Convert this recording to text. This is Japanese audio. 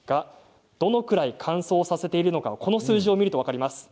どのくらい乾燥させているのか数字を見ると分かります。